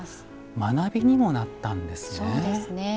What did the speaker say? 学びにもなったんですね。